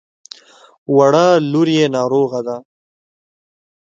وړه لور يې ناروغه ده.